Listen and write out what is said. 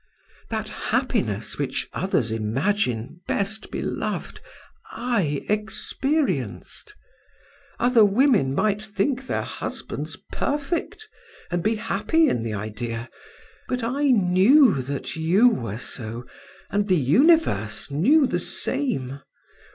That happiness which others imagine, best beloved, I experienced. Other women might think their husbands perfect, and be happy in the idea, but I knew that you were so and the universe knew the same.